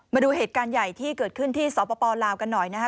มาดูเหตุการณ์ใหญ่ที่เกิดขึ้นที่สปลาวกันหน่อยนะฮะ